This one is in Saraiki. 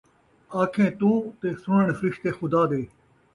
آکھیں توں تے سݨݨ فرشتے خدا دے